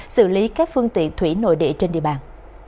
xử lý các phương tiện thủy nội địa trên địa bàn